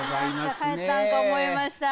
帰ったんと思いました。